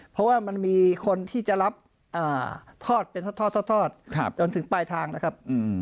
เพราะว่ามันมีคนที่จะรับทอดเป็นทอดจนถึงปลายทางนะครับ